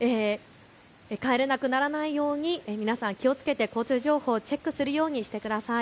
帰れなくならないように皆さん、気をつけて交通情報をチェックするようにしてください。